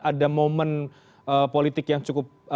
ada momen politik yang cukup